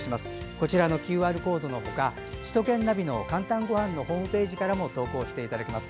こちらのＱＲコードの他首都圏ナビの「かんたんごはん」のホームページからも投稿していただけます。